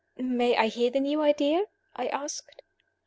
"May I hear the new idea?" I asked.